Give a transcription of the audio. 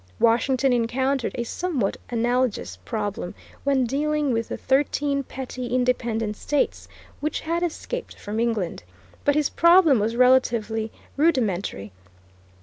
Washington encountered a somewhat analogous problem when dealing with the thirteen petty independent states, which had escaped from England; but his problem was relatively rudimentary.